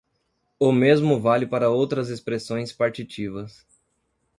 O mesmo vale para outras expressões partitivas